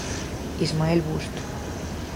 Ismael Busto.